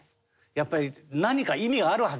やっぱり何か意味があるはずです